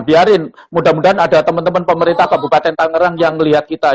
biarin mudah mudahan ada teman teman pemerintah kabupaten tangerang yang melihat kita